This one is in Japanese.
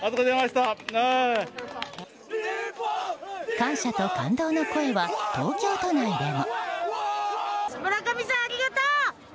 感謝と感動の声は東京都内でも。